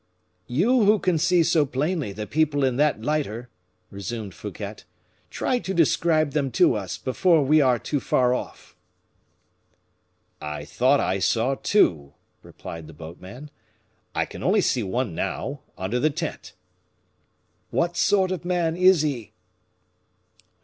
"You who can see so plainly the people in that lighter," resumed Fouquet, "try to describe them to us, before we are too far off." "I thought I saw two," replied the boatman. "I can only see one now, under the tent." "What sort of man is he?"